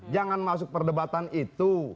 jangan masuk perdebatan itu